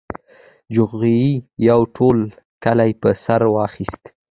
چيغو يې ټول کلی په سر واخيست.